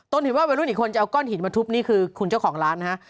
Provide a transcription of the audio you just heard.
เห็นว่าวัยรุ่นอีกคนจะเอาก้อนหินมาทุบนี่คือคุณเจ้าของร้านนะฮะ